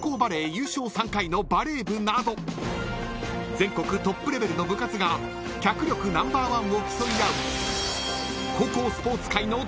［全国トップレベルの部活が脚力ナンバーワンを競い合う］